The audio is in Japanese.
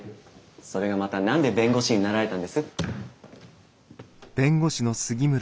それがまた何で弁護士になられたんです？